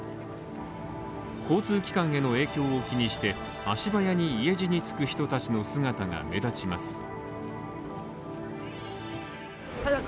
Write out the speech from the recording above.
交通機関への影響を気にして、足早に家路につく人たちの姿が目立ちます。